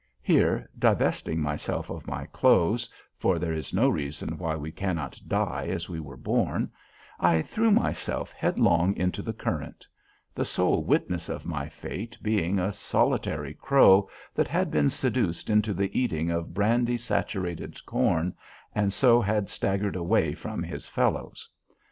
Here, divesting myself of my clothes (for there is no reason why we cannot die as we were born), I threw myself headlong into the current; the sole witness of my fate being a solitary crow that had been seduced into the eating of brandy saturated corn, and so had staggered away from his fellows.